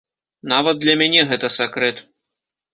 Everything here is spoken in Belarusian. Нават для мяне гэта сакрэт.